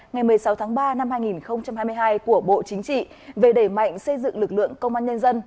ngày một mươi sáu tháng ba năm hai nghìn hai mươi hai của bộ chính trị về đẩy mạnh xây dựng lực lượng công an nhân dân